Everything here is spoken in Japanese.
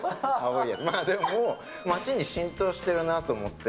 でももう、街に浸透してるなと思って。